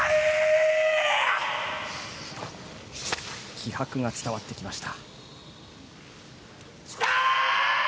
気迫が伝わってきました。